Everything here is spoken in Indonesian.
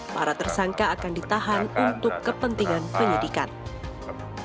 para tersangka akan mencari uang yang berbeda untuk mencari uang yang berbeda untuk mencari uang yang berbeda